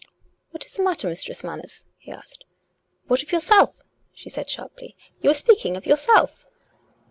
" What is the matter. Mistress Manners ?" he asked. "What of yourself?" she said sharply; "you were speaking of yourself."